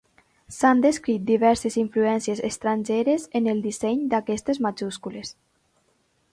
S'han descrit diverses influències estrangeres en el disseny d'aquestes majúscules.